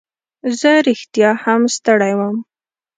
زه رښتیا هم ستړی وم.